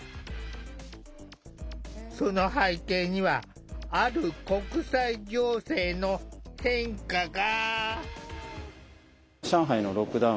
その背景にはある国際情勢の変化が。